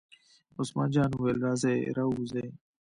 عثمان جان وویل: راځئ را ووځئ.